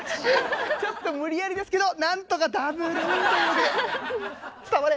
ちょっと無理やりですけどなんとかダブルということで伝われ！